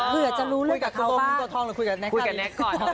เผื่อจะรู้เรื่องกับเขาบ้างคุยกับแน็กก่อนแน็กก่อนแน็กก่อน